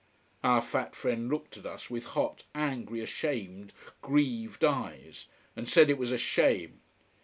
Our fat friend looked at us with hot, angry, ashamed, grieved eyes and said it was a shame.